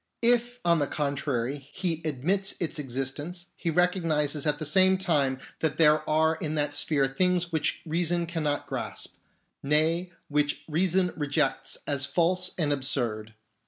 If, on the contrary, he admits its existence, he recognises at the same time that there are in that sphere things which reason cannot grasp ; nay, which reason rejects as false and absurd.